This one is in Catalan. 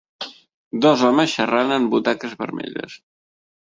Dos homes xerrant en butaques vermelles.